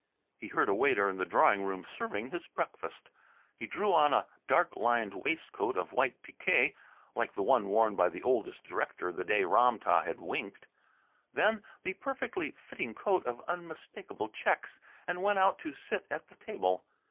He heard a waiter in the drawing room serving his breakfast. He drew on a dark lined waistcoat of white piqué like the one worn by the oldest director the day Ram tah had winked then the perfectly fitting coat of unmistakable checks, and went out to sit at the table.